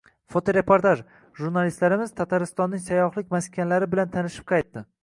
Fotoreportaj: Jurnalistlarimiz Tataristonning sayyohlik maskanlari bilan tanishib qaytdi